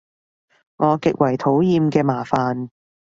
我極為討厭嘅麻煩